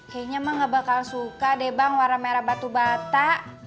kayaknya mah gak bakal suka deh bang warna merah batu bata